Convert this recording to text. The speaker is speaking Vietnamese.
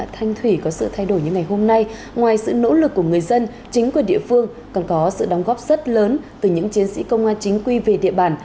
thanh thủy có sự thay đổi như ngày hôm nay ngoài sự nỗ lực của người dân chính quyền địa phương còn có sự đóng góp rất lớn từ những chiến sĩ công an chính quy về địa bàn